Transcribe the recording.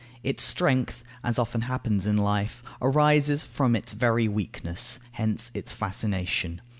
Its strength (as often happens in life) arises from its very weakness. Hence its fascination.